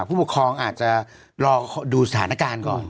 ผู้ปกครองอาจจะรอดูสถานการณ์ก่อน